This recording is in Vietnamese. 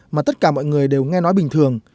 mà tất cả mọi người đều nghe nói bình thường